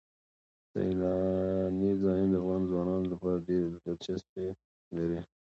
سیلاني ځایونه د افغان ځوانانو لپاره ډېره دلچسپي لري.